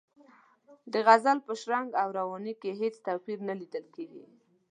د غزل په شرنګ او روانۍ کې هېڅ توپیر نه لیدل کیږي.